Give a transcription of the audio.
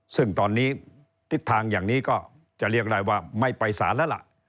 ซึ่งตอนนี้ทิศทางอย่างนี้ก็จะเรียกได้ว่าไม่ไปสารแล้วล่ะ